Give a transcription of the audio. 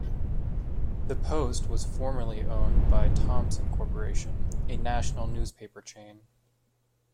The "Post" was formerly owned by Thomson Corporation, a national newspaper chain.